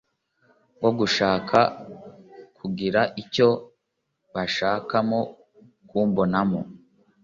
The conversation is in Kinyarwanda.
bwo gushaka kungira icyo bashakamo kumbonamo